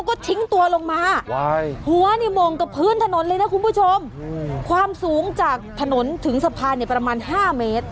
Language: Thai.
ก็ทิ้งตัวลงมาหัวนี่โมงกับพื้นถนนเลยนะคุณผู้ชมความสูงจากถนนถึงสะพานเนี่ยประมาณ๕เมตร